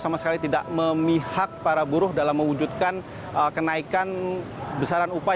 sama sekali tidak memihak para buruh dalam mewujudkan kenaikan besaran upah